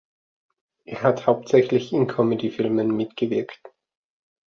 Er hat hauptsächlich in Comedy-Filmen mitgewirkt.